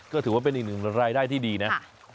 ก็ถือว่าเป็นอีกหนึ่งรายได้ที่ดีนะ